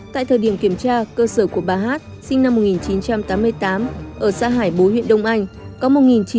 tại thời điểm kiểm tra cơ sở của bà hát sinh năm một nghìn chín trăm tám mươi tám ở xã hải bối huyện đông anh